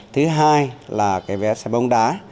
thứ hai là cái vé xe bóng đá